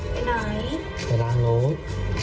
ไปไหนไปล้างรถ